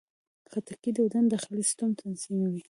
خټکی د بدن داخلي سیستم تنظیموي.